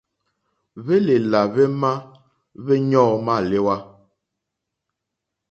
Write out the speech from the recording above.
Hwélèlà hwémá hwéɲɔ́ǃɔ́ mâléwá.